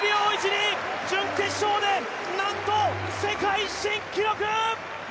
１２秒１２、準決勝でなんと世界新記録！